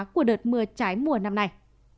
của đợt mưa trái mùa năm này